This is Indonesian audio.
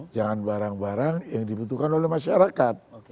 jangan barang barang yang dibutuhkan oleh masyarakat